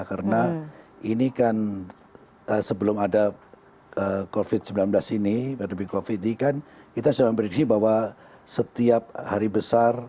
karena ini kan sebelum ada covid sembilan belas ini pandemi covid ini kan kita sudah berprediksi bahwa setiap hari besar